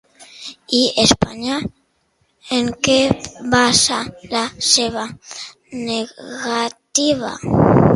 I Espanya en què basa la seva negativa?